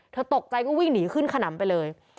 ตกใจก็วิ่งหนีขึ้นขนำไปเลย